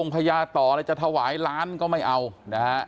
พออัตมากปล่อยวาง